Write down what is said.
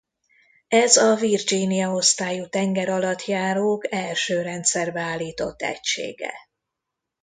Ez a Virginia osztályú tengeralattjárók első rendszerbe állított egysége.